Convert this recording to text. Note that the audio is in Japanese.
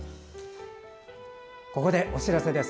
ここでお知らせです。